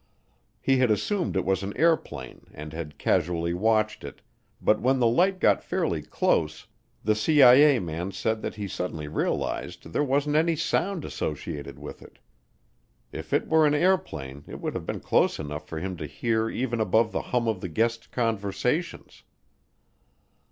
He had assumed it was an airplane and had casually watched it, but when the light got fairly close, the CIA man said that he suddenly realized there wasn't any sound associated with it. If it were an airplane it would have been close enough for him to hear even above the hum of the guests' conversations.